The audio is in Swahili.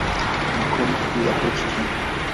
Makao makuu yako Kitui.